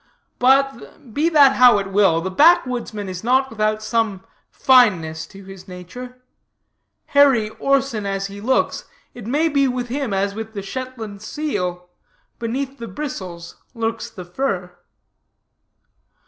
Be that how it will, the backwoodsman is not without some fineness to his nature. Hairy Orson as he looks, it may be with him as with the Shetland seal beneath the bristles lurks the fur.